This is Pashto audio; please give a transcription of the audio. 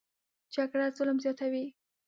جګړه ظلم زیاتوي